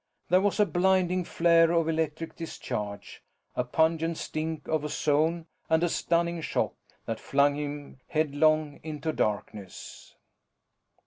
There was a blinding flare of electric discharge, a pungent stink of ozone and a stunning shock that flung him headlong into darkness.